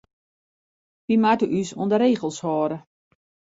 Wy moatte ús oan de regels hâlde.